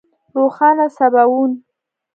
روښانه سباوون